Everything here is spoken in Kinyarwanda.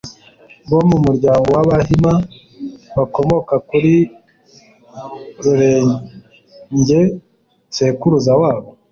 bo mu muryango w'Abahima bakomoka kuri Rurenge sekuruza wabo